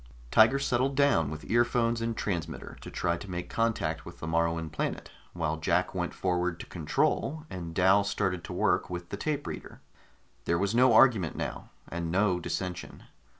Tiger settled down with earphones and transmitter to try to make contact with the Moruan planet, while Jack went forward to control and Dal started to work with the tape reader. There was no argument now, and no dissension.